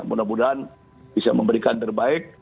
mudah mudahan bisa memberikan terbaik